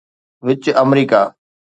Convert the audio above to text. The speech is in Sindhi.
وچ آمريڪا